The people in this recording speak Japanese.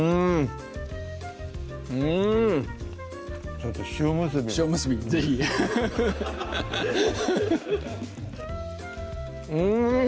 ちょっと塩むすびも塩むすびも是非うん！